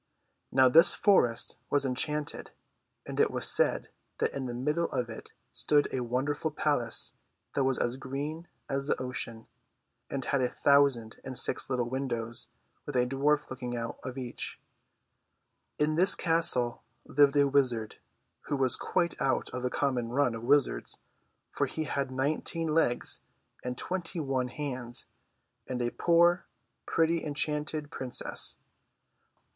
Now this forest was enchanted, and it was said that in the middle of it stood a wonderful palace that was as green as the ocean, and had a thousand and six little windows with a dwarf looking out of each. THE ENCHANTED FOREST. In this castle lived a wizard, who was quite out of the common run of wizards, for he had nineteen legs and twenty one hands, and a poor, pretty enchanted princess.